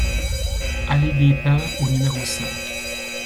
Allées des Pins au numéro cinq